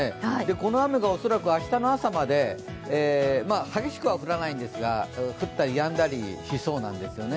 この雨が恐らく明日の朝まで激しくは降らないんですが、降ったりやんだりしそうなんですよね。